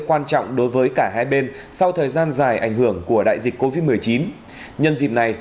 quan trọng đối với cả hai bên sau thời gian dài ảnh hưởng của đại dịch covid một mươi chín nhân dịp này